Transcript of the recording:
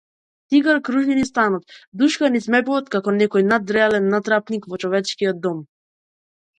Тигар кружи низ станот, душка низ мебелот како некој надреален натрапник во човечкиот дом.